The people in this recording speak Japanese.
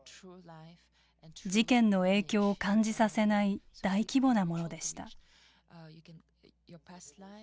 事件の影響を感じさせない大規模なものでした。